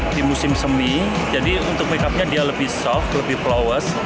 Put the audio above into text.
ini adalah yang semi jadi untuk make upnya dia lebih soft lebih flowers